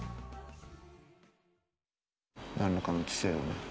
何らかの知性をね